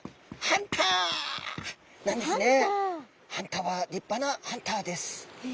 アンタは立派なハンターです。